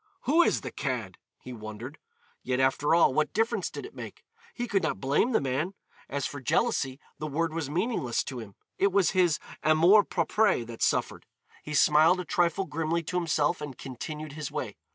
"Who is the cad," he wondered. Yet, after all, what difference did it make? He could not blame the man. As for jealousy, the word was meaningless to him. It was his amour propre that suffered. He smiled a trifle grimly to himself and continued his way.